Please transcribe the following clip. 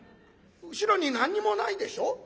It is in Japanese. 後ろに何にもないでしょ？